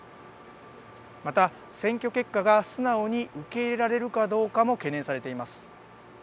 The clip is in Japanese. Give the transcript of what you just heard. また、選挙結果が素直に受け入れられるかどうかも懸念されています。